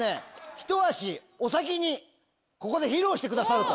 ひと足お先にここで披露してくださると。